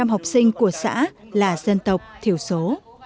một trăm linh học sinh của xã là dân tộc thiểu số